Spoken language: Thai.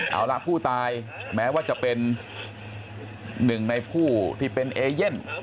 เอาละผู้ตายแม้ว่าจะเป็นหนึ่งในผู้ที่เป็นเอเย่น